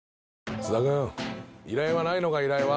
須田君依頼はないのか依頼は。